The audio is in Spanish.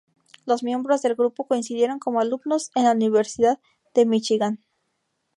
Los miembros del grupo coincidieron como alumnos en la Universidad de Míchigan.